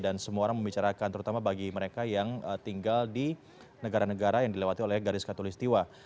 dan semua orang membicarakan terutama bagi mereka yang tinggal di negara negara yang dilewati oleh garis katolik setiwa